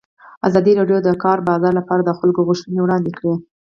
ازادي راډیو د د کار بازار لپاره د خلکو غوښتنې وړاندې کړي.